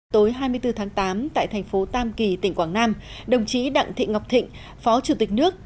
tối hai mươi bốn tháng tám tại thành phố tam kỳ tỉnh quảng nam đồng chí đặng thị ngọc thịnh phó chủ tịch nước